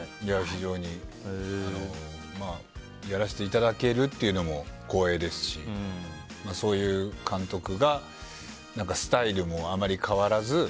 非常にやらせていただけるのも光栄ですしそういう監督がスタイルもあまり変わらず。